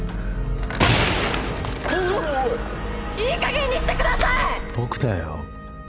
いいかげんにしてください！